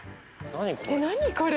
何これ？